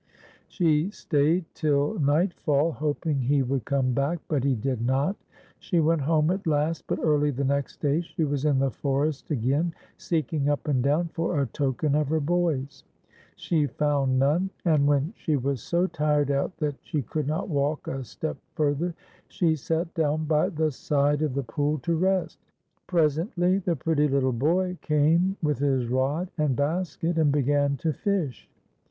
She stayed till nightfall, hoping he would come back, but he did not. She went home at last, but early the next day she was in the forest again, seeking up and down for a token of her boys. She found none, and when she was so tired out that she could not walk a step further, she sat down by the side of the pool to rest. Presently the pretty little boy came with his rod and basket, and began to fish.